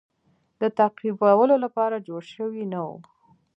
د تعقیبولو لپاره جوړ شوی نه وو.